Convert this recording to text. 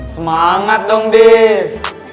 semangat dong div